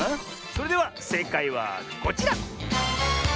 それではせいかいはこちら！